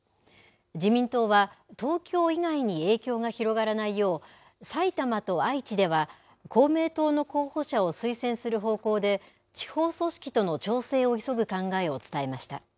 自民党は、東京以外に影響が広がらないよう、埼玉と愛知では公明党の候補者を推薦する方向で、地方組織との調整を急ぐ考えを伝えました。